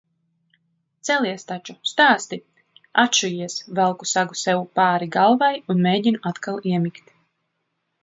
Celies taču! Stāsti! Atšujies, velku segu sev pāri galvai un mēģinu atkal iemigt.